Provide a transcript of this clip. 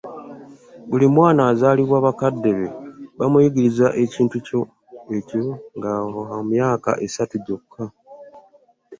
Buli mwana azaalibwa bakadde be bamuyigiriza ekintu ekyo nga wa myaka esatu gyokka.